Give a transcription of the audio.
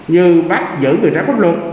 như bắt giữ người trái pháp luật